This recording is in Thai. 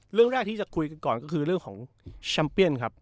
เรื่องแรกที่จะคุยกันก่อนก็คือเรื่องของแชมเปียนครับ